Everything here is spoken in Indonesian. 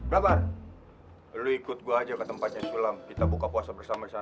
babar lo ikut gue aja ke tempatnya sulam kita buka puasa bersama di sana